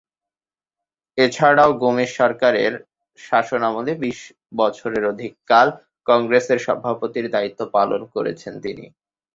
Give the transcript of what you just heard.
এছাড়াও গোমেজ সরকারের শাসনামলে বিশ বছরের অধিককাল কংগ্রেসের সভাপতির দায়িত্ব পালন করেছেন তিনি।